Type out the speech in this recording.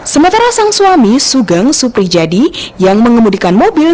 sementara sang suami sugeng suprijadi yang mengemudikan mobil